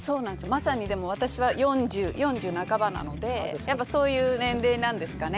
まさに私は４０半ばなのでやっぱりそういう年齢なんですかね。